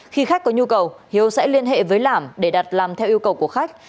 khi khách có nhu cầu hiếu sẽ liên hệ với làm để đặt làm theo yêu cầu của khách